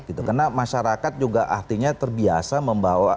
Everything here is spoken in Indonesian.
karena masyarakat juga artinya terbiasa membawa